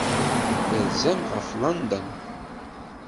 Terzam ɣef London.